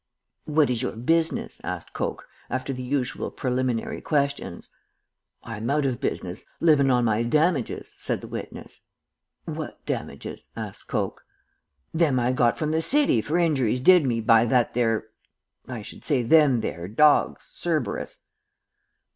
"'What is your business?' asked Coke, after the usual preliminary questions. "'I'm out of business. Livin' on my damages,' said the witness. "'What damages?' asked Coke. "'Them I got from the city for injuries did me by that there I should say them there dorgs, Cerberus.'